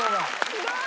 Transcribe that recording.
すごい！